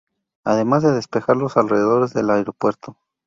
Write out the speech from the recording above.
Además de despejar los alrededores del aeropuerto.